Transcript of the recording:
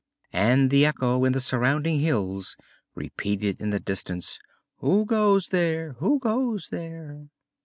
and the echo in the surrounding hills repeated in the distance: "Who goes there? Who goes there?"